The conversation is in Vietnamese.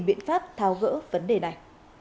biện pháp tháo gỡ vấn đề này